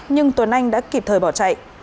nhưng tuấn anh đã kịp thời bỏ chạy